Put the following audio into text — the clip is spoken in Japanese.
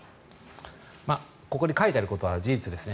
ここに書いてあることは事実ですね。